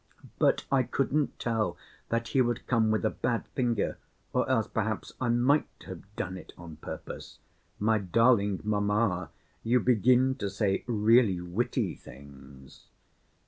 "But I couldn't tell that he would come with a bad finger, or else perhaps I might have done it on purpose. My darling mamma, you begin to say really witty things."